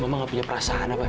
mama gak punya perasaan apa